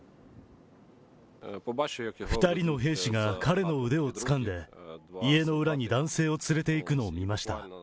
２人の兵士が彼の腕をつかんで、家の裏に男性を連れていくのを見ました。